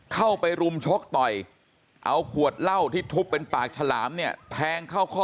เข้าไปรุมชกต่อยเอาขวดเหล้าที่ทุบเป็นปากฉลามเนี่ยแทงเข้าข้อ